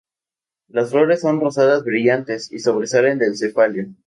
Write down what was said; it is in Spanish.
Las flores son rosadas brillantes y sobresalen del cefalio.